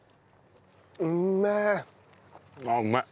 うめえ！